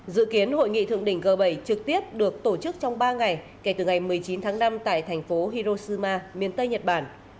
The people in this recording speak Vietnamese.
dự kiến hội nghị thượng đỉnh g bảy trực tiếp được tổ chức trong ba ngày kể từ ngày một mươi chín tháng năm tại thành phố hiroshima miền tây nhật bản